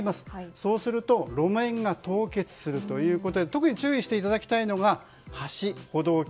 そうすると路面が凍結するので特に注意していただきたいのが橋、歩道橋。